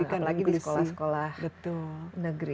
apalagi di sekolah sekolah negeri